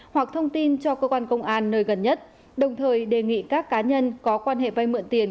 hoặc thông tin cho cơ quan công an nơi gần nhất đồng thời đề nghị các cá nhân có quan hệ vay mượn tiền